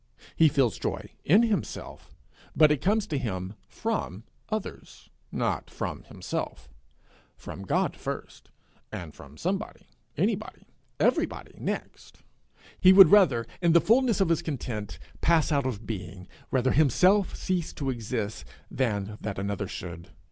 He feels joy in himself, but it comes to him from others, not from himself from God first, and from somebody, anybody, everybody next. He would rather, in the fulness of his content, pass out of being, rather himself cease to exist, than that another should.